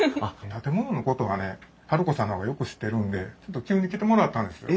建物のことはね治子さんの方がよく知ってるんでちょっと急に来てもらったんですよ。